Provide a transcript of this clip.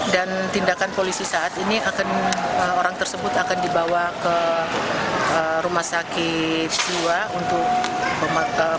dan tindakan polisi saat ini orang tersebut akan dibawa ke rumah sakit jiwa untuk memakai